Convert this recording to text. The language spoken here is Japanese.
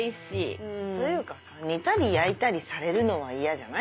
ていうかさ煮たり焼いたりされるのは嫌じゃない？